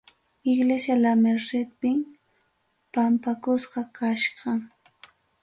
Iglesia La Mercedpim pampakusqa kachkan.